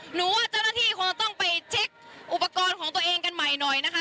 หนูว่าเจ้าหน้าที่คงต้องไปเช็คอุปกรณ์ของตัวเองกันใหม่หน่อยนะคะ